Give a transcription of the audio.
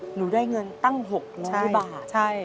หนูได้เงินตั้ง๖๐๐บาท